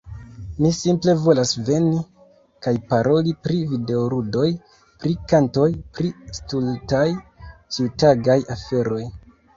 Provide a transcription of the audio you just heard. Ni simple volas veni, kaj paroli pri videoludoj, pri kantoj, pri stultaj ĉiutagaj aferoj.